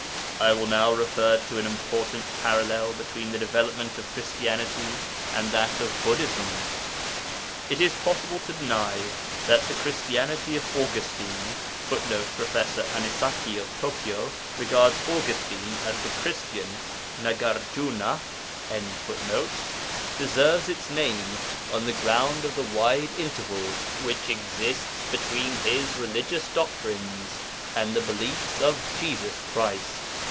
I will now refer to an important parallel between the development of Christianity and that of Buddhism. It is possible to deny that the Christianity of Augustine [Footnote: Professor Anesaki of Tokio regards Augustine as the Christian Nagarjuna.] deserves its name, on the ground of the wide interval which exists between his religious doctrines and the beliefs of Jesus Christ.